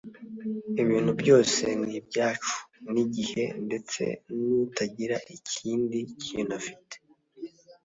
ibintu byose ni ibyacu ni igihe; ndetse n'utagira ikindi kintu afite